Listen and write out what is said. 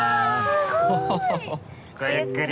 ごゆっくり。